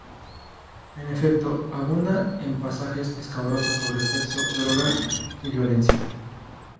En efecto, abunda en pasajes escabrosos sobre sexo, drogas y violencia.